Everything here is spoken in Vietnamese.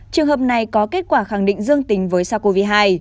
trường hợp này có kết quả khẳng định dương tính với sars cov hai